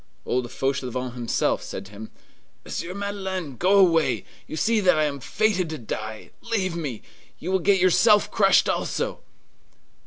Old Fauchelevent himself said to him, "Monsieur Madeleine, go away! You see that I am fated to die! Leave me! You will get yourself crushed also!"